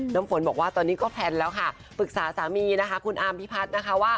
น้ำฝนบอกว่าตอนนี้ก็แพลนแล้วค่ะปรึกษาสามีนะคะคุณอามพิพัฒน์นะคะว่า